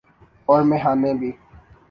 اور میخانے بھی۔